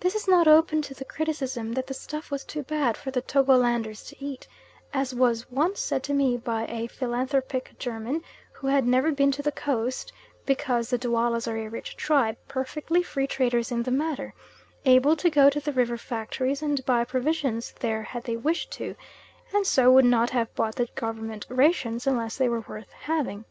This is not open to the criticism that the stuff was too bad for the Togolanders to eat, as was once said to me by a philanthropic German who had never been to the Coast, because the Duallas are a rich tribe, perfectly free traders in the matter, able to go to the river factories and buy provisions there had they wished to, and so would not have bought the Government rations unless they were worth having.